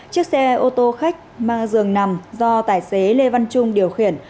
chiếc xe ô tô khách mang giường nằm do tài xế lê văn trung điều khiển